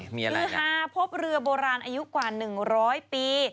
เฮ้มีอะไรนะคือฮาพบเรือโบราณอายุกว่า๑๐๐ปี